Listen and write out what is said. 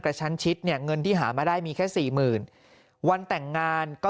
กระชันชิดเนี่ยเงินที่หามาได้มีแค่๔๐๐๐๐บาทวันแต่งงานก็